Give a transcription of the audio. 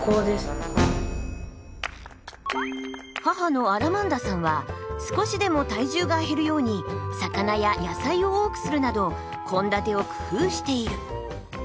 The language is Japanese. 母のアラマンダさんは少しでも体重が減るように魚や野菜を多くするなど献立を工夫している。